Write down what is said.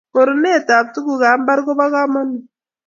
koronet ab tuguk ab mbar kobo kamangut